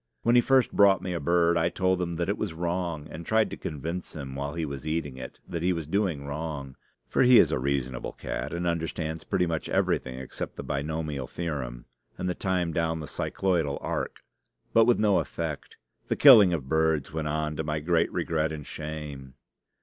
When he first brought me a bird, I told him that it was wrong, and tried to convince him, while he was eating it, that he was doing wrong; for he is a reasonable cat, and understands pretty much everything except the binomial theorem and the time down the cycloidal arc. But with no effect. The killing of birds went on to my great regret and shame.